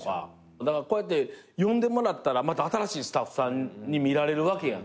こうやって呼んでもらったらまた新しいスタッフさんに見られるわけやん。